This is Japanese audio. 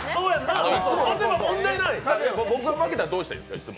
僕が負けたらどうしたらいいですか？